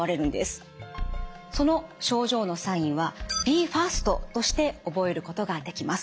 その症状のサインはＢＥＦＡＳＴとして覚えることができます。